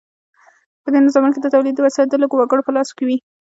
په دې نظامونو کې د تولید وسایل د لږو وګړو په لاس کې وي.